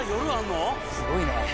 すごいね。